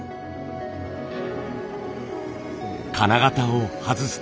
金型を外すと。